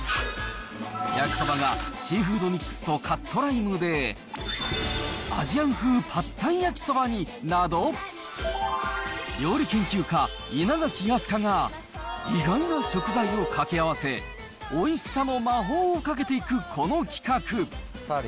焼きそばがシーフードミックスとカットライムで、アジアン風パッタイ焼きそばになど、料理研究家、稲垣飛鳥が、意外な食材をかけあわせ、おいしさの魔法をかけていくこの企画。